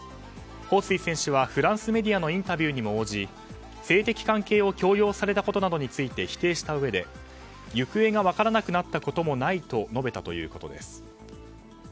ホウ・スイ選手はフランスメディアのインタビューにも応じ性的関係を強要されたことなどについて否定したうえで、行方が分からなくなったこともないと述べたということです。